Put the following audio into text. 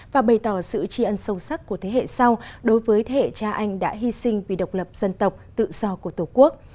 và bày tỏ sự tri ân sâu sắc của thế hệ sau đối với thế hệ cha anh đã hy sinh vì độc lập dân tộc tự do của tổ quốc